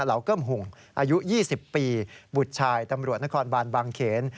อายุ๒๐ปีบุษชายตำรวจนครบานบางเขน